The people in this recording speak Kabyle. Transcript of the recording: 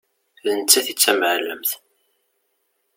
D nettat i d tamεellemt.